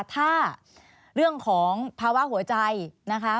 ถ้าเรื่องของภาวะหัวใจนะคะ